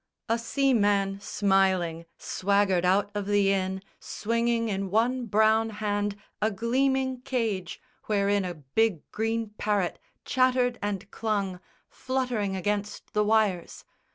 A seaman, smiling, swaggered out of the inn Swinging in one brown hand a gleaming cage Wherein a big green parrot chattered and clung Fluttering against the wires.